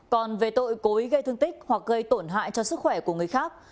còn về tội cố ý gây thương tích hoặc gây tổn hại cho sức khỏe của người khác